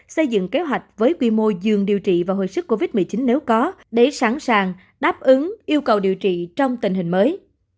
xây dựng kế hoạch với quy mô dương điều trị và hồi sức covid một mươi chín nếu có để sẵn sàng đáp ứng yêu cầu điều trị trong tình hình mới